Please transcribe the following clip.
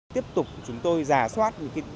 tiếp tục chúng tôi giả soát